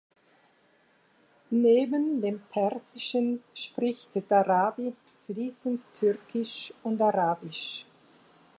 Neben dem Persischen spricht Darabi fließend Türkisch und Arabisch.